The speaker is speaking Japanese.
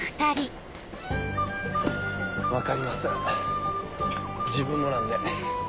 分かります自分もなんで。